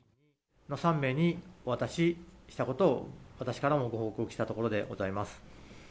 ３名にお渡ししたことを、私からもご報告したところでございます。